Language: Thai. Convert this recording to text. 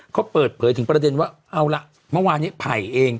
เขาเปิดเผยถึงประเด็นว่าเอาละเมื่อวานนี้ไผ่เอง